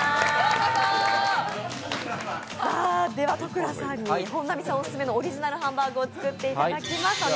では戸倉さんに本並さんオススメのオリジナルハンバーグを作っていただきます。